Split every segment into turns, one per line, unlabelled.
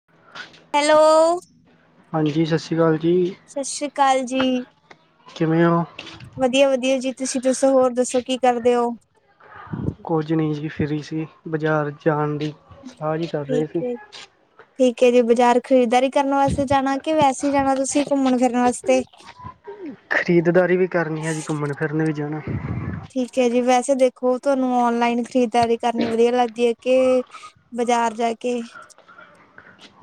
[inaudible]
Hello
ਹਾਂਜੀ ਸਤਿ ਸ਼੍ਰੀ ਕਾਲ ਜੀ।
ਸਤਿ ਸ੍ਰੀ ਕਾਲ ਜੀ।
ਕਿਵੇਂ ਹੋ
ਵਧੀਆ- ਵਧੀਆ ਜੀ ਤੁਸੀਂ ਦੱਸੋ ਹੋਰ ਦੱਸੋ ਕੀ ਕਰਦੇ ਹੋ?
ਕੁਝ ਨੀਂ ਜੀ ਫਰੀ ਸੀ ਬਜ਼ਾਰ ਜਾਣ ਦੀ ਸਲਾਹ ਜੀ ਕਰ ਰਹੇ
ਠੀਕ ਐ
[inaudible]
ਠੀਕ ਐ ਜੀ ਬਾਜ਼ਾਰ ਖਰੀਦਦਾਰੀ ਕਰਨ ਵਾਸਤੇ ਜਾਣਾ ਕਿ ਵੈਸੇ ਹੀ ਜਾਣਾ ਤੁਸੀਂ ਘੁੰਮਣ ਫਿਰਨ ਵਾਸਤੇ
ਖਰੀਦਦਾਰੀ ਵੀ ਕਰਨੀ ਐ ਜੀ ਘੁੰਮਣ ਫਿਰਨ ਵੀ ਜਾਣਾ
ਠੀਕ ਐ ਜੀ ਵੈਸੇ ਦੇਖੋ ਤੁਹਾਨੂੰ ਔਨਲਾਈਨ ਖਰੀਦਦਾਰੀ ਕਰਨੀ ਵਧੀਆ ਲੱਗਦੀ ਐ ਕੇ ਬਜ਼ਾਰ ਜਾ ਕੇ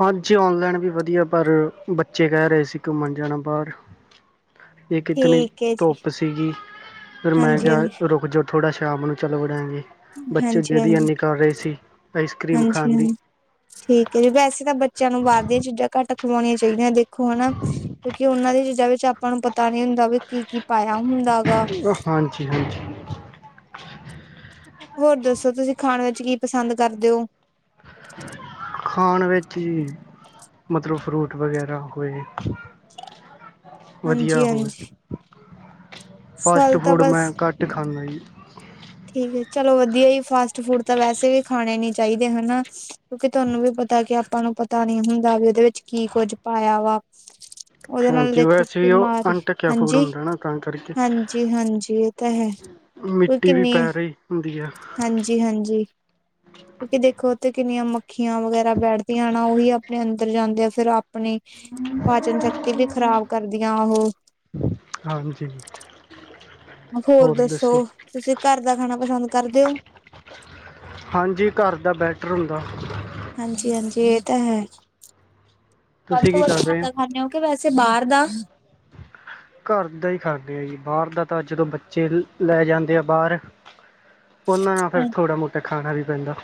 ਹਾਂਜੀ ਔਨਲਾਈਨ ਵੀ ਵਧੀਆ ਪਰ ਬੱਚੇ ਕਹਿ ਰਹੇ ਸੀ ਘੁੰਮਣ ਜਾਣਾ ਬਾਹਰ ਏਕ ਇਤਨੀ
ਠੀਕ ਹੈ ਜੀ
ਧੁੱਪ ਸੀਗੀ ਫਿਰ ਮੈਂ
ਹਾਂਜੀ
ਕਿਹਾ
ਹਾਂਜੀ
ਰੁਕ ਜੋ ਥੋੜ੍ਹਾ ਸ਼ਾਮ ਨੂੰ ਚਲੋ ਜਾਗੇ ਬੱਚੇ
ਹਾਂਜੀ
ਜਿੰਦ ਹੀ
ਹਾਂਜੀ
ਐਨੀ ਕਰ ਰਹੇ ਸੀ ਆਈਸਕਰ੍ਰੀਮ
ਹਾਂਜੀ
ਖਾਣ ਦੀ
ਹਾਂਜੀ ਠੀਕ ਐ ਜੀ ਵੈਸੇ ਤਾਂ ਬੱਚਿਆਂ ਨੂੰ ਬਾਹਰ ਦੀਆਂ ਚੀਜ਼ਾਂ ਘੱਟ ਖਵਾਣੀਆਂ ਚਾਹੀਦੀਆਂ ਦੇਖੋ ਹਨਾ ਕਿਓਂਕਿ ਓਨਾਂ ਦੀ ਚੀਜ਼ਾਂ ਵਿੱਚ ਆ ਆਪਾਂ ਨੂੰ ਪਤਾ ਨੀ ਹੁੰਦਾ ਵੀ ਕੀ-ਕੀ ਪਾਗਆ ਹੁੰਦਾ ਗਾ।
ਜੀ ਹਾਂਜੀ।
ਹੋਰ ਦੱਸੋ, ਤੁਸੀਂ ਖਾਨ ਵਿੱਚ ਕੀ ਪਸੰਦ ਕਰਦੇ ਓ?
ਖਾਣ ਵਿੱਚ ਜੀ। ਮਤਲਬ ਫਰੂਟ ਵਗੈਰਾ ਹੋਏ, ਵਦੀਆ ਹੋਵੇ।
ਹਾਂਜੀ-ਹਾਂਜੀ
ਫਾਸਟ
ਫਲ ਤਾਂ
ਫੂਡ
ਬਸ
ਮੈਂ ਘੱਟ ਖਾਨਾ ਜੀ।
ਠੀਕ ਐ ਚਲੋ ਵਦੀਆ ਜੀ ਫਾਸਟ ਫੂਡ ਤਾਂ ਵੈਸੇ ਵੀ ਖਾਣੇ ਨੀ ਚਾਈਦੇ ਹਨਾ। ਕਿਓਂਕਿ ਤੁਆਨੂੰ ਵੀ ਪਤਾ ਕਿ ਆਪਾਂ ਨੂੰ ਪਤਾ ਨੀ ਹੁੰਦਾ ਵੀ ਓਦੇ ਵਿੱਚ ਕੀ ਕੁੱਝ ਪਾਏਆ ਵਾ। ਓਦੇ ਨਾਲ
ਹਾਂਜੀ
ਦੇਖੋ
ਵੈਸੇ ਵੀ ਉਹ
ਬਿਮਾਰੀ
ਅਣਢੱਕਿਆ ਫੂਡ
ਹਾਂਜੀ,
ਹੁੰਦਾ ਨਾ ਤਾਂ ਕਰਕੇ
ਹਾਂਜੀ-ਹਾਂਜੀ ਏ ਤਾਂ ਹੈ। ਕੋਈ
ਮਿੱਟੀ ਵੀ
ਕਿੰਨੀ
ਪੈ ਰਈ ਹੁੰਦੀ ਐ।
ਹਾਂਜੀ-ਹਾਂਜੀ। ਕਿਓਂਕਿ ਦੇਖੋ ਓਥੇ ਕਿੰਨੀਆਂ ਮੱਖੀਆਂ ਵਗੈਰਾ ਬੈਠਦੀਆਂ ਹਨਾ ਓਹੀ ਆਪਨੇ ਅੰਦਰ ਜਾਂਦੇ ਆ ਫੇਰ ਆਪਨੇ ਪਾਚਨ ਸ਼ਕਤੀ ਵੀ ਖਰਾਬ ਕਰਦੀਆਂ ਓਹ
ਹਾਂਜੀ।
ਹੋਰ ਦੱਸੋ ਤੁਸੀਂ ਘਰ ਦਾ ਖਾਣਾ ਪਸੰਦ ਕਰਦੇ ਓ?
ਹਾਂਜੀ ਘਰ ਦਾ ਬੈਟਰ ਹੁੰਦਾ।
ਹਾਂਜੀ-ਹਾਂਜੀ ਏ ਤਾਂ ਹੈ, ਵੱਧ
ਤੁਸੀਂ
ਤੋਂ
ਕੀ
ਵੱਧ
ਕਰ
ਘਰ
ਰਹੇ ਹੋ
ਦਾ ਖਾਨੇ ਓ ਕੇ ਵੈਸੇ ਬਾਰ ਦਾ?
ਘਰ ਦਾ ਈ ਖਾਨੇ ਆ ਜੀ, ਬਾਰ ਦਾ ਤਾਂ ਜਦੋਂ ਬੱਚੇ ਲੈ ਜਾਂਦੇ ਆ ਬਾਰ ਓਨਾਂ ਨਾਲ ਫੇਰ ਥੋੜਾ-ਮੋਟਾ ਖਾਨਾ ਵੀ ਪੈਂਦਾ।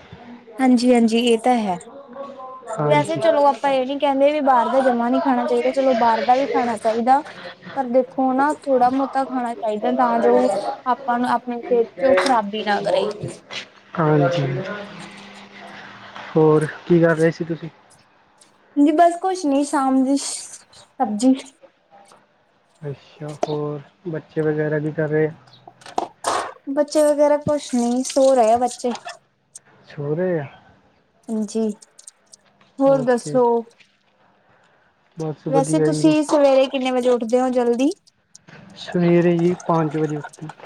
ਹਾਂਜੀ-ਹਾਂਜੀ, ਏ ਤਾਂ ਹੈ ਵੈਸੇ
ਹਾਂਜੀ
ਚਲੋ ਆਪਾਂ ਏ ਨੀ ਕੈਂਦੇ ਵੀ ਬਾਰ ਦਾ ਜਮਾ ਨੀ ਖਾਨਾ ਚਾਈਦਾ। ਚਲੋ ਬਾਰ ਦਾ ਵੀ ਖਾਨਾ ਚਾਈਦਾ, ਪਰ ਦੇਖੋ ਹਨਾ ਥੋੜਾ-ਮੋਤਾ ਖਾਣਾ ਚਾਈਦਾ ਤਾਂ ਜੋ ਆਪਾਂ ਨੂੰ ਆਪਨੀ ਸੇਤ ਚੋ ਓ ਖਰਾਬੀ ਨਾ ਕਰੇ।
ਹਾਂਜੀ। ਹੋਰ ਕੀ ਕਰ ਰਏ ਸੀ ਤੁਸੀਂ?
ਜੀ ਬਸ ਕੁਸ਼ ਨੀ ਸ਼ਾਮ ਦੀ ਸਬਜ਼ੀ।
ਅੱਸ਼ਾ, ਹੋਰ ਬੱਚੇ ਵਗੈਰਾ ਕੀ ਕਰ ਰਏ ਆ?
ਬੱਚੇ ਵਗੈਰਾ ਕੁਸ਼ ਨੀ ਸੋ ਰਏ ਆ ਬੱਚੇ।
ਛੋ ਰੇ ਐ।
ਹਾਂਜੀ, ਹੋਰ
ਓਕੇ
ਦੱਸੋ?
ਬਸ
ਵੈਸੇ
ਵਧੀਆ ਜੀ
ਤੁਸੀਂ ਸਵੇਰੇ ਕਿੰਨੇ ਵਜੇ ਉੱਠਦੇ ਓ ਜਲਦੀ?
ਸਵੇਰੇ ਜੀ ਪੰਜ ਵਜੇ ਉੱਠਦੇ ਆ।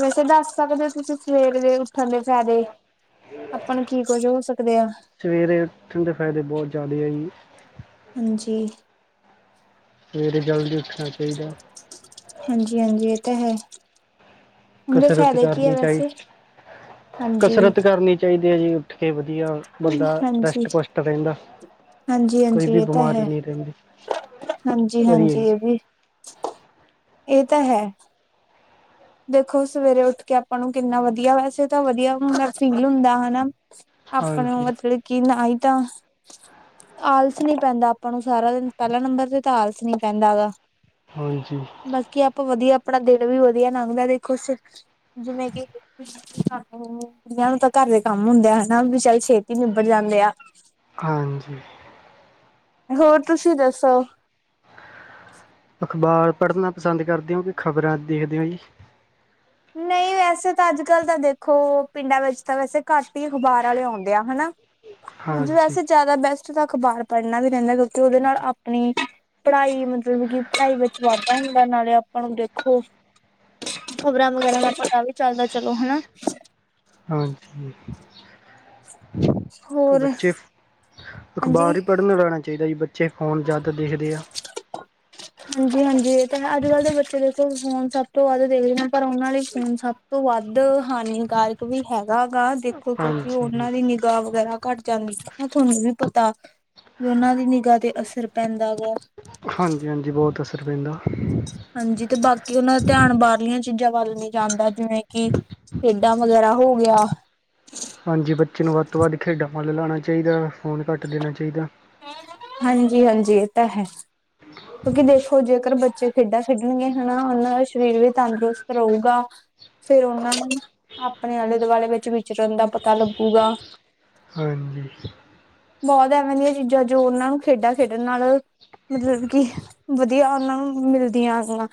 ਵੈਸੇ ਦੱਸ ਸਕਦੇ ਓ ਤੁਸੀਂ ਸਵੇਰ ਦੇ ਉੱਠਨ ਦੇ ਫੈਦੇ। ਆਪਾਂ ਨੂੰ ਕੀ ਕੁੱਝ ਹੋ ਸਕਦੇ ਆ।
ਸਵੇਰੇ ਉੱਠਨ ਦੇ ਫਾਇਦੇ ਬੋਹ ਜ਼ਾਦੈ ਐ ਜੀ।
ਹਾਂਜੀ।
ਸਵੇਰੇ ਜਲਦੀ ਉੱਠਨਾ ਚਾਈਦੈ।
ਹਾਂਜੀ-ਹਾਂਜੀ ਏ ਤਾਂ ਹੈ, ਓਦੇ
ਕਸਰਤ
ਫੈਦੇ ਕੀ ਐ
ਕਰਨੀ ਚਾਹੀ
ਵੈਸੇ? ਹਾਂਜੀ
ਕਸਰਤ ਕਰਨੀ ਚਾਈਦੀ ਆ ਜੀ ਉੱਠ ਕੇ ਵਦੀਆ।
ਹਾਂਜੀ
ਬੰਦਾ ਰੈਸ਼ਟ-ਪੁਸ਼ਟ ਰੈਂਦਾ,
ਹਾਂਜੀ
ਕੋਈ ਵੀ ਬਿਮਾਰੀ ਨੀ ਰੈਂਦੀ।
ਹਾਂਜੀ-ਹਾਂਜੀ ਏ ਵੀ ਏ ਤਾਂ ਹੈ। ਦੇਖੋ ਸਵੇਰੇ ਉੱਠ ਕੇ ਆਪਾਂ ਨੂੰ ਕਿੰਨਾ ਵਦੀਆ ਵੈਸੇ ਤਾਂ ਵਦੀਆ ਊਂ ਤਾਂ ਫੀਲ ਹੁੰਦਾ ਹਨਾ। ਆਪਾਂ ਨੂੰ
ਹਾਂਜੀ
ਮਤਲਬ ਕੀ ਨਾ ਈ ਤਾਂ ਆਲਸ ਨੀ ਪੈਂਦਾ ਆਪਾਂ ਨੂੰ ਸਾਰਾ ਦਿਨ ਪਹਿਲਾ ਨੰਬਰ 'ਤੇ ਤਾਂ ਆਲਸ ਨੀ ਪੈਂਦਾ ਗਾ।
ਹਾਂਜੀ।
ਬਾਕੀ ਆਪਾਂ ਵਧੀਆ ਆਪਣਾ ਦਿਨ ਵੀ ਵਧੀਆ ਲੰਘਦਾ ਦੇਖੋ ਸ ਜਿਵੇਂ ਕਿ ਘਾਰ ਦੇ ਕੁੜੀਆਂ ਨੂੰ ਤਾਂ ਚਲ ਘਰ ਦੇ ਕੰਮ ਹੁੰਦੇ ਆ ਹਨਾ। ਵੀ ਚਲ ਛੇਤੀ ਨਿਬੜ ਜਾਂਦੇ ਆ।
ਹਾਂਜੀ।
ਹੋਰ ਤੁਸੀਂ ਦੱਸੋ?
ਅਖ਼ਬਾਰ ਪੜ੍ਹਨਾ ਪਸੰਦ ਕਰਦੇ ਓ ਕੀ ਖ਼ਬਰਾਂ ਦੇਖਦੇ ਓ ਜੀ?
ਨਈ ਵੈਸੇ ਤਾਂ ਅੱਜ-ਕੱਲ ਤਾਂ ਦੇਖੋ ਪਿੰਡਾਂ ਵਿੱਚ ਤਾਂ ਵੈਸੇ ਘੱਟ ਈ ਅਖ਼ਬਾਰ ਆਲੇ ਆਉਦੇ ਆ ਹਨਾ। ਕੁਝ
ਹਾਂਜੀ
ਵੈਸੇ ਜ਼ਿਆਦਾ ਬੈਸਟ ਤਾਂ ਅਖ਼ਬਾਰ ਪੜ੍ਹਨਾ ਵੀ ਰਹਿੰਦਾ ਕਿਉਂਕਿ ਉਹਦੇ ਨਾਲ ਆਪਣੀ ਪੜ੍ਹਾਈ, ਮਤਲਬ ਕਿ ਪੜ੍ਹਾਈ ਵਿੱਚ ਵਾਧਾ ਹੁੰਦਾ ਨਾਲੇ ਆਪਾਂ ਨੂੰ ਦੇਖੋ ਪ੍ਰੋਗਰਾਮ ਵਗੈਰਾ ਦਾ ਪਤਾ ਵੀ ਚੱਲਦਾ ਚਲੋ ਹਨਾ।
ਹਾ ਠੀਕ,
ਹੋਰ
ਬੱਚੇ
ਹਾਂਜੀ
ਅਖ਼ਬਾਰ ਈ ਪੜ੍ਹਨ ਲਾਣਾ ਚਾਈਦਾ ਜੀ ਬੱਚੇ ਫੋਨ ਜ਼ਿਆਦਾ ਦੇਖਦੇ ਐ।
ਹਾਂਜੀ-ਹਾਂਜੀ ਏ ਤਾਂ ਹੈ ਅੱਜ-ਕੱਲ੍ਹ ਦੇ ਬੱਚੇ ਦੇਖੋ ਫੋਨ ਸਭ ਤੋਂ ਵੱਧ ਦੇਖਦੇ ਨੇ ਪਰ ਉਹਨਾਂ ਲਈ ਫੋਨ ਸਭ ਤੋਂ ਵੱਧ ਹਾਨੀਕਾਰਕ ਵੀ ਹੈਗਾ ਗਾ, ਦੇਖੋ ਕਿਉਂਕਿ
ਹਾਂਜੀ
ਉਹਨਾਂ ਦੀ ਨਿਗ ਗਾ ਵਗੈਰਾ ਘੱਟ ਜਾਂਦੀ ਹਨ ਤੁਆਨੂੰ ਵੀ ਪਤਾ, ਵੀ ਉਹਨਾਂ ਦੀ ਨਿਗਾਹ 'ਤੇ ਅਸ ਰ ਪੈਂਦਾ ਹੈਗਾ।
ਹਾਂਜੀ-ਹਾਂਜੀ ਬਹੁਤ ਅਸਰ ਪੈਂਦਾ।
ਹਾਂਜੀ 'ਤੇ ਬਾਕੀ ਉਹਨਾਂ ਦਾ ਧਿਆਨ ਬਾਰਲੀਆਂ ਚੀਜ਼ਾਂ ਵੱਲ ਨੀ ਜਾਂਦਾ ਜਿਵੇਂ ਕਿ ਖੇ ਡਾਂ ਵਗੈਰਾ ਹੋ ਗਿਆ।
ਹਾਂਜੀ ਬੱਚੇ ਨੂੰ ਵੱਧ ਤੋਂ ਵੱਧ ਖੇਡਾਂ ਵੱਲ ਲਾਣਾ ਚਾਈਦਾ ਫੋਨ ਘੱਟ ਦੇਣਾ ਚਾਈਦਾ।
ਹਾਂਜੀ-ਹਾਂਜੀ ਇਹ ਤਾਂ ਹੈ। ਕਿਉਂਕਿ ਦੇਖੋ ਜੇਕਰ ਬੱਚੇ ਖੇਡਾਂ ਖੇਡਣਗੇ ਹਨਾ ਉਹਨਾਂ ਦਾ ਸਰੀਰ ਵੀ ਤੰਦਰੁਸਤ ਰਹੂਗਾ। ਫੇਰ ਉਹਨਾਂ ਨੂੰ ਆਪਣੇ ਆਲੇ-ਦੁਆਲੇ ਵਿੱਚ ਵਿਚਰਨ ਦਾ ਪਤਾ ਲੱਗੂਗਾ।
ਹਾਂਜੀ।
ਬਹੁਤ ਐਵੇਂ ਦੀਆਂ ਚੀਜ਼ਾਂ ਜੋ ਉਹਨਾਂ ਨੂੰ ਖੇਡਾਂ ਖੇਡਣ ਨਾਲੋ ਮਤਲਬ ਕੀ ਵਧੀਆ ਉਹਨਾਂ ਨੂੰ ਮਿਲਦੀਆਂ ਹੈਗੀਆਂ।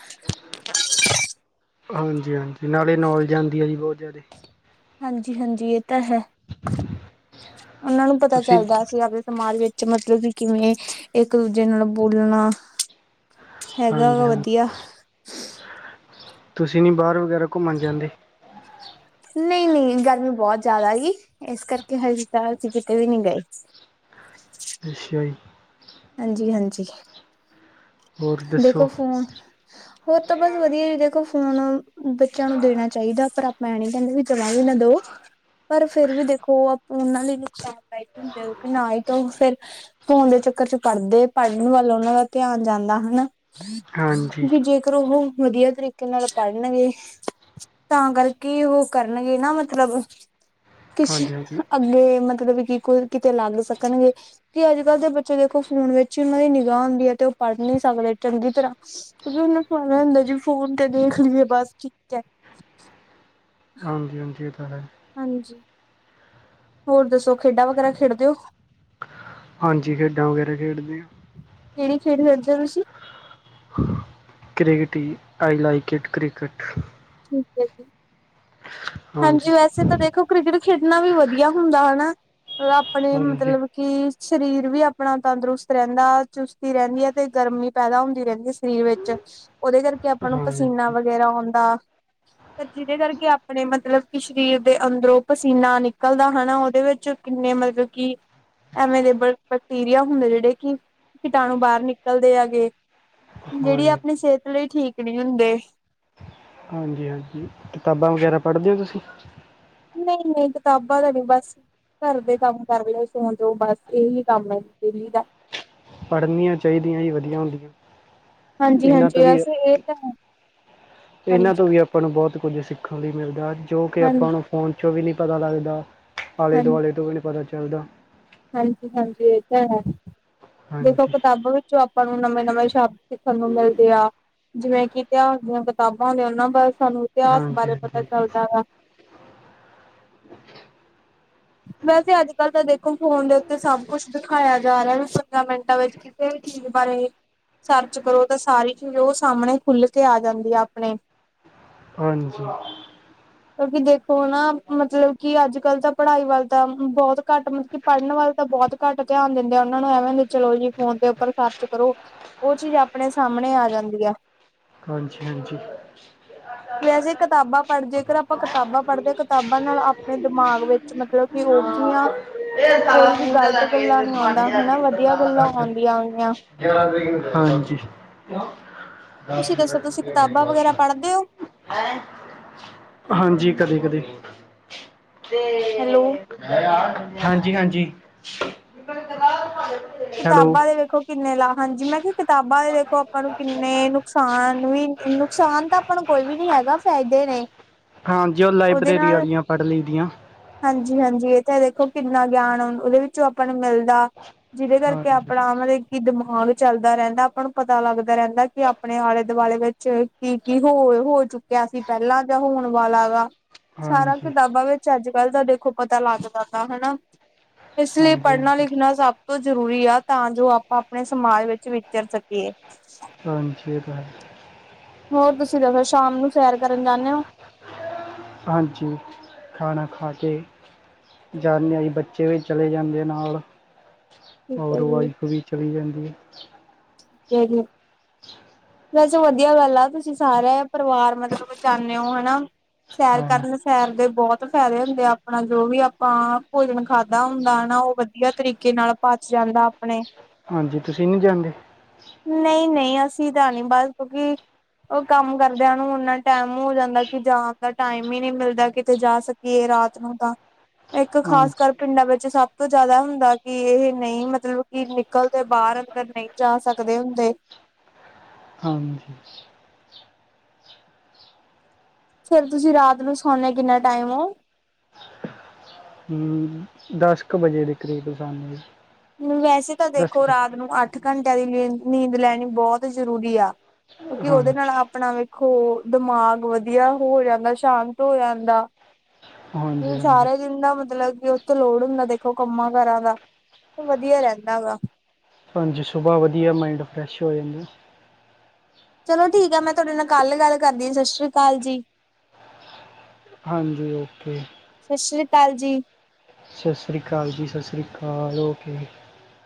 ਹਾਂਜੀ-ਹਾਂਜੀ ਨਾਲੇ ਨੌਲੇਜ ਆਂਦੀ ਆ ਜੀ ਬਹੁਤ ਜ਼ਿਆਦੇ।
ਹਾਂਜੀ-ਹਾਂਜੀ ਇਹ ਤਾਂ ਹੈ, ਉਹਨਾਂ ਨੂੰ ਪਤਾ
ਤੁਸੀਂ
ਚੱਲਦਾ ਅਸੀਂ ਆਪਦੇ ਸਮਾਜ ਵਿੱਚ ਮਤਲਬ ਕਿ ਕਿਵੇਂ ਇੱਕ-ਦੂਜੇ ਨਾਲ ਬੋਲਣਾ ਹੈਗਾ
ਹਾਂਜੀ
ਗਾ
ਹਾਂਜੀ
ਵਧੀਆ‌।
ਤੁਸੀਂ ਨੀ ਬਾਹਰ ਵਗੈਰਾ ਘੁੰਮਣ ਜਾਂਦੇ?
ਨਈ-ਨਈ ਗਰਮੀ ਬਹੁਤ ਜ਼ਿਆਦਾ ਗੀ ਇਸ ਕਰਕੇ ਹਜੇ ਤਾਂ ਅਸੀਂ ਕਿਤੇ ਵੀ ਨੀ ਗਏ।
ਅੱਛਾ ਜੀ।
ਹਾਂਜੀ-ਹਾਂਜੀ।
ਹੋਰ ਦੱਸੋ
ਦੇਖੋ ਫੋਨ ਹੋਰ ਤਾਂ ਬਸ ਵਧੀਆ ਜੀ ਦੇਖੋ ਫੋਨ ਬੱਚਿਆਂ ਨੂੰ ਦੇਣਾ ਚਾਈਦਾ ਪਰ ਆਪਾਂ ਐ ਨੀ ਕਹਿੰਦੇ ਵੀ ਜਮਾ ਵੀ ਨਾ ਦੋ ਪਰ ਫੇਰ ਵੀ ਦੇਖੋ ਆਪ ਉਹਨਾਂ ਲਈ ਨੁਕਸਾਨਦਾਇਕ ਹੁੰਦੇ ਆ ਕਿਉਂਕਿ ਨਾ ਈ ਕਿਉ ਫੇਰ ਫੋਨ ਦੇ ਚੱਕਰ 'ਚ ਪੜ੍ਹਦੇ-ਪੜ੍ਹਨ ਵੱਲ ਉਹਨਾਂ ਦਾ ਧਿਆਨ ਜਾਂਦਾ। ਹਨਾ।
ਹਾਂਜੀ
ਵੀ ਜੇਕਰ ਉਵੇ ਵੀ ਵਧੀਆ ਤਰੀ ਕੇ ਨਾਲ ਪੜ੍ਹਨਗੇ, ਤਾਂ ਕਰਕੇ ਉਹ ਕਰਨਗੇ ਨਾ ਮਤਲਬ ਕਿਸੀ,
ਹਾਂਜੀ ਹਾਂਜੀ
ਅੱਗੇ ਮਤਲਬ ਕਿ ਕੋਈ ਕਿਤੇ ਲੱਗ ਸਕਣਗੇ। ਕਿ ਅੱਜ-ਕੱਲ੍ਹ ਦੇ ਬੱਚੇ ਦੇਖੋ ਫੋਨ ਵਿੱਚ ਈ ਉਹਨਾਂ ਦੀ ਨਿਗਾਹ ਹੁੰਦੀ ਐ, 'ਤੇ ਉਹ ਪੜ੍ਹ ਨੀ ਸਕਦੇ ਚੰਗੀ ਤਰ੍ਹਾਂ, ਕਿਉਂਕਿ ਉਹਨੂੰ ਸੁਣ ਹੁੰਦਾ ਜੀ ਫੋਨ ਤੇ ਦੇਖ ਲਈਏ ਬਸ ਠੀਕ ਐ।
ਹਾਂਜੀ-ਹਾਂਜੀ, ਇਹ ਤਾਂ ਹੈ।
ਹਾਂਜੀ। ਹੋਰ ਦੱਸੋ ਖੇਡਾਂ ਵਗੈਰਾ ਖੇਡਦੇ ੳ?
ਹਾਂਜੀ, ਖੇਡਾਂ ਵਗੈਰਾ ਖੇਡਦੇ ਆਂ।
ਕੇੜੀ ਖੇਡ ਖੇਲਦੇ ੳ ਤੁਸੀਂ?
ਕ੍ਰਿਕਟ ਈ ਆਈ ਲਾਈਕ ਇਟ ਕ੍ਰਿਕਟ।
ਠੀਕ ਏ ਜੀ ਹਾਂਜੀ ਵੈਸੇ ਤਾਂ ਦੇਖੋ ਕ੍ਰਿਕਟ ਖੇਡਣਾ ਵੀ ਵਧੀਆ ਹੁੰਦਾ ਹਨਾ, ਆਪਣੇ
ਹਾਂਜੀ
ਮਤਲਬ ਕਿ ਸਰੀਰ ਵੀ ਆਪਣਾ ਤੰਦਰੁਸਤ ਰੈਂਦਾ ਚੁਸਤੀ ਰੈਂਦੀ ਐ, ਤੇ ਗਰਮੀ ਪੈਦਾ ਹੁੰਦੀ ਰੈਦੀ ਏ ਸਰੀਰ ਵਿੱਚ, ਉਦੇ ਕਰਕੇ ਆਪਾਂ ਨੂੰ
ਹਾਂਜੀ
ਪਸੀਨਾ
ਹਾਂਜੀ
ਵਗੈਰਾ ਆਂੳਦਾ। ਜੇਦੇ ਕਰਕੇ ਆਪਣੇ ਮਤਲਬ, ਕਿ ਸਰੀਰ ਦੇ ਅੰਦਰੋਂ ਪਸੀਨਾ ਨਿਕਲਦਾ ਹਨਾ ਉਦੇ ਵਿੱਚ ਕਿੰਨੇ ਮਤਲਬ ਕਿ ਐਵੇਲੇਬਲ ਬੈਕਟੀਰੀਆ ਹੁੰਦਾ ਜੇੜੇ ਕਿ ਕੀਟਾਣੂ ਬਾਰ ਨਿਕਲਦੇ ਹੈਗੇ। ਜੇੜੀ
ਹਾਂਜੀ
ਆਪਣੀ ਸੇਹਤ ਲਈ ਠੀਕ ਨੀ ਹੁੰਦੇ।
ਹਾਂਜੀ, ਕਿਤਾਬਾਂ ਵਗੈਰਾ ਪੜ੍ਹਦੇ ੳ ਤੁਸੀਂ?
ਨਈ-ਨਈ ਕਿਤਾਬਾਂ ਦਾ ਨੀ ਬਸ ਘਰ ਦੇ ਕੰਮ ਕਰਲੋ ਸੌ ਜੋ ਬਸ ਏਹੀ ਕੰਮ ਏ ਡੇਲੀ ਦਾ।
ਪੜ੍ਹਨੀਆਂ ਚਾਈਦੀਆਂ ਜੀ ਵਧੀਆ ਹੁੰਦੀਆਂ।
ਹਾਂਜੀ
ਇਨਾਂ
ਹਾਂਜੀ
ਤੋਂ ਵੀ
ਵੈਸੇ ਇਹ ਤਾਂ ਹੈ
ਇਨਾਂ
ਹਾਂਜੀ
ਤੋਂ ਵੀ ਆਪ ਆਪਾਂ ਨੂੰ ਬੋਤ ਕੁੱਝ ਸਿੱਖਨ ਲਈ ਮਿਲਦਾ, ਜੋ ਕਿ
ਹਾਂਜੀ
ਆਪਾਂ ਨੂੰ ਫੋਨ ਚੋਂ ਵੀ ਨੀ ਪਤਾ ਲੱਗਦਾ। ਆਲੇ ਦੁਆਲੇ ਤੋਂ ਵੀ ਨੀ ਪਤਾ ਚੱਲਦਾ।
ਹਾਂਜੀ-ਹਾਂਜੀ, ਏ ਤਾਂ ਹੈ ਦੇਖੋ
ਹਾਂਜੀ
ਕਿਤਾਬਾਂ ਵਿੱਚ ਜੋ ਆਪਾਂ ਨੂੰ ਨਵੇਂ-ਨਵੇਂ ਸ਼ਬਦ ਸਿੱਖਨ ਨੂੰ ਮਿਲਦੇ ਆ। ਜਿਵੇਂ ਕਿ ਇਤਿਹਾਸ ਦੀਆਂ ਕਿਤਾਬਾਂ ਹੁੰਦੀਆ, ਉਨਾਂ ਬਾਰੇ ਸਾਨੂੰ ਇਤਿਹਾਸ
ਹਾਂਜੀ
ਬਾਰੇ ਪਤਾ ਚੱਲਦਾ ਵਾ। ਵੈਸੇ ਅੱਜ-ਕੱਲ੍ਹ ਤਾਂ ਦੇਖੋ ਫੋਨ ਦੇ ਉੱਤੇ ਸਭ ਕੁਛ ਦਿਖਾਇਆ ਜਾ ਰਆ ਵੇ ਮਿੰਟਾਂ ਵਿੱਚ ਕਿਸੇ ਵੀ ਚੀਜ਼ ਬਾਰੇ? ਸਰਚ ਕਰੋ, ਤਾਂ ਸਾਰੀ ਚੀਚ ਉ ਸਾਮਣੇ ਖੁੱਲ ਕੇ ਆ ਜਾਂਦੀ ਆ, ਆਪਣੇ।
ਹਾਂਜੀ।
ਕਿਉਂਕਿ ਦੇਖੋ, ਨਾ ਮਤਲਬ ਕਿ ਅੱਜ-ਕੱਲ੍ਹ ਤਾਂ ਪੜ੍ਹਾਈ ਵੱਲ ਤਾਂ ਬੋਤ ਘੱਟ ਮਤਲਬ, ਕਿ ਪੜ੍ਹਨ ਵੱਲ ਤਾਂ ਬੋਤ ਘੱਟ ਧਿਆਨ ਦਿੰਦੇ ਆ, ਉਨਾਂ ਨੂੰ ਐਵੇਂ ਹੁੰਦੇ ਚਲੋ ਜੀ, ਫੋਨ ਦੇ ਉੱਪਰ ਸਰਚ ਕਰੋ, ਉ ਚੀਜ਼ ਆਪਣੇ ਸਾਮਣੇ ਆ ਜਾਂਦੀ ਆ।
ਹਾਂਜੀ-ਹਾਂਜੀ।
ਵੈਸੇ ਕਿਤਾਬਾਂ ਪੜ੍ਹ ਜੇਕਰ ਆਪਾਂ ਕਿਤਾਬਾਂ ਪੜ੍ਹਦੇ ਕਿਤਾਬਾਂ ਨਾਲ ਆਪਣੇ ਦਿਮਾਗ ਵਿੱਚ ਮਤਲਬ ਕਿ ਹੋ ਗਿਆਂ
ਇਹ ਸਾਰਾ
ਕੋਈ ਵੀ
ਫੂਡ ਦਾ
ਗ਼ਲਤ ਗੱਲਾਂ
ਲੰਗੇ
ਨੀ ਆੳਂਦਾ
ਭਾਂਡੇ ਦਾ
ਹਨਾ,
ਲਿੱਤਰ
ਵਧੀਆ ਗੱਲਾਂ
ਵਾਲਾ
ਆਉਂਦੀ ਆ ਗੀਆਂ।
ਹਾਂਜੀ।
ਤੁਸੀਂ ਦੱਸੋ ਤੁਸੀਂ ਕਿਤਾਬਾਂ ਵਗੈਰਾ ਪੜ੍ਹਦੇ ੳ?
ਹਾਂਜੀ, ਕਦੇ-ਕਦੇ।
ਹੈਲੋ
ਹਾਂਜੀ-ਹਾਂਜੀ।
ਕਿਤਾਬਾਂ ਦੇ ਵੇਖੋ, ਕਿੰਨੇ ਲਾ ਹਾਂਜੀ ਮੈਂ ਕਿਹਾ ਕਿਤਾਬਾਂ ਦੇ ਵੇਖੋ, ਆਪਾਂ ਨੂੰ ਕਿੰਨੇ ਨੁਕਸਾਨ ਵੀ ਨੁਕਸਾਨ ਤਾਂ ਆਪਾਂ ਕੋਈ ਵੀ ਨੀ ਹੈਗਾ, ਫਾਇਦੇ ਨੇ
ਹਾਂਜੀ ਉ ਲਾਇਬ੍ਰੇਰੀ ਵਾਲੀਆਂ ਪੜ੍ਹ ਲਈ ਦੀਆਂ
ਹਾਂਜੀ-ਹਾਂਜੀ, ਇੱਥੇ ਦੇਖੋ ਕਿੰਨਾ ਗਿਆਨ ਉਦੇ ਵਿੱਚੋਂ ਆਪਾਂ ਨੂੰ ਮਿਲਦਾ। ਜਿਦੇ ਕਰਕੇ
ਹਾਂਜੀ
ਆਪਣਾ ਮਤਲਬ ਕੀ ਮਹੋਲ ਚੱਲਦਾ ਰੈਂਦਾ, ਆਪਾਂ ਨੂੰ ਪਤਾ ਲੱਗਦਾ ਰੈਂਦਾ, ਕਿ ਆਪਣੇ ਆਲੇ ਦੁਆਲੇ ਵਿੱਚ ਕੀ-ਕੀ ਹੋ-ਹੋ ਚੁੱਕਿਆ ਸੀ, ਪੈਲਾਂ ਜਾਂ ਹੋਣ ਵਾਲਾ ਵਾ ਸਾਰਾ
ਹਾਂਜੀ
ਕਿਤਾਬਾਂ ਵਿੱਚ ਅੱਜ-ਕੱਲ੍ਹ ਦਾ ਦੇਖੋ, ਪਤਾ ਲੱਗਦਾ ਤਾ ਹਨਾ। ਇਸ ਲੀ
ਹਾਂਜੀ
ਪੜ੍ਹਨਾ
ਹਾਂਜੀ
ਲਿਖਣਾ ਸਾ ਤੋਂ ਜ਼ਰੂਰੀ ਆ ਤਾਂ ਜੋ ਆਪਾਂ ਆਪਣੇ ਸਮਾਜ ਵਿੱਚ ਵਿਚਰ ਸਕੀਏ।
ਹਾਂਜੀ, ਏਹ ਤਾਂ ਹੈ।
ਹੋਰ ਤੁਸੀਂ ਦੱਸੋ, ਸ਼ਾਮ ਨੂੰ ਸੈਰ ਕਰਨ ਜਾਂਨੇ ਓ?
ਹਾਂਜੀ, ਖਾਣਾ ਖਾ ਕੇ ਜਾਨੇ ਆ ਜੀ। ਬੱਚੇ ਵੀ ਚਲੇ ਜਾਂਦੇ ਨਾਲ
ਠੀਕ ਹੈ
ਔਰ
ਜੀ,
ਵਾਾਈਫ ਵੀ ਚਲੀ ਜਾਂਦੀ ਐ।
ਤੇ ਐ ਜਿਵੇਂ ਵੈਸੇ ਵਧੀਆ ਗੱਲ ਆ। ਤੁਸੀਂ ਸਾਰਾ ਪਰਵਾਰ ਮਤਲਬ ਜਾਂਨੇ ਓ ਹਨਾ। ਸੈਰ
ਹਾਂਜੀ
ਕਰਨ ਸੈਰ ਦੇ ਬਹੁਤ ਫ਼ੈਦੇ ਹੁੰਦੇ ਆ। ਆਪਣਾ ਜੋ ਵੀ ਆਪਾਂ ਭੋਜਨ ਖਾਧਾ ਹੁੰਦਾ ਹਨਾ, ਉਹ ਵਧੀਆ ਤਰੀਕੇ ਨਾਲ ਪਚ ਜਾਂਦਾ। ਆਪਣੇ
ਹਾਂਜੀ, ਤੁਸੀਂ ਨੀ ਜਾਂਦੇ?
ਨਹੀਂ-ਨਹੀਂ, ਅਸੀਂ ਤਾਂ ਨੀ। ਬਸ ਕਿਉਂਕਿ ਉਹ ਕੰਮ ਕਰਦਿਆਂ ਨੂੰ ਓਨਾਂ ਟੈਮ ਹੋ ਜਾਂਦਾ ਕੀ ਜਾਣ ਦਾ ਟਾਈਮ ਈ ਨੀ ਮਿਲਦਾ। ਕਿਤੇ ਜਾ ਸਕ ਕੀਏ ਰਾਤ ਨੂੰ 'ਤਾਂ। ਇੱਕ ਖਾਸ
ਹਾਂਜੀ
ਕਰ ਪਿੰਡਾਂ ਵਿੱਚ ਸਭ ਤੋਂ ਜ਼ਿਆਦਾ ਹੁੰਦਾ ਕਿ, ਇਹ ਨਹੀਂ ਮਤਲਬ ਕਿ ਨਿਕਲਦੇ ਬਾਹਰ-ਅੰਦਰ ਨਹੀਂ ਜਾ ਸਕਦੇ ਹੁੰਦੇ।
ਹਾਂਜੀ।
ਫੇਰ ਤੁਸੀਂ ਰਾਤ ਨੂੰ ਸੌਣੇ ਕਿੰਨਾ ਟਾਈਮ ਓ?
ਹੂੰ, ਦੱਸ ਕ ਵਜੇ ਦੇ ਕਰੀਬ ਸੌਨੇ ਆ।
ਨੀ ਵੈਸੇ ਤਾਂ ਦੇਖੋ, ਰਾਤ ਨੂੰ ਅੱਠ ਘੰਟਿਆਂ ਦੀ ਨੀਂ-ਨੀਂਦ ਲੈਣੀ ਬਹੁਤ ਜ਼ਰੂਰੀ ਆ। ਕਿਉਂਕਿ ਉਹਦੇ ਨਾਲ
ਹਾਂਜੀ
ਆਪਣਾ ਵੇਖੋ ਦਿਮਾਗ ਵਧੀਆ ਹੋ ਜਾਂਦਾ। ਸ਼ਾਂਤ ਹੋ ਜਾਂਦਾ
ਹਾਂਜੀ
ਹੁਣ
ਹਾਂਜੀ
ਸਾਰਾ ਈ ਦਿਨ ਨਾ ਮਤਲਬ ਕਿ ਉੱਤੋਂ ਲੋਡ ਹੁੰਦਾ ਦੇਖੋ, ਕੰਮਾਂ-ਕਾਰਾਂ ਦਾ। ਵਧੀਆ ਰਹਿੰਦਾ ਵਾ।
ਹਾਂਜੀ, ਸੁਬਾਹ ਵਧੀਆ ਮਾਇੰਡ ਫਰੈਸ਼ ਹੋ ਜਾਂਦਾ।
ਚਲੋ ਠੀਕ ਆ। ਮੈਂ ਤੁਹਾਡੇ ਨਾਲ ਕੱਲ ਗੱਲ ਕਰਦੀ ਆ। ਸਾਸ਼ਰੀ ਕਾਲ ਜੀ।
ਹਾਂਜੀ, ਓਕੇ।
ਸਾਸਰੀ ਕਾਲ ਜੀ।
ਸਾਸਰੀ ਕਾਲ ਜੀ, ਸਾਸਰੀ ਕਾਲ। ਓਕੇ ਜੀ।